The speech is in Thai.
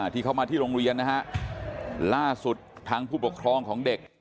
ที่เขามาที่โรงเรียนนะฮะล่าสุดทางผู้ปกครองของเด็ก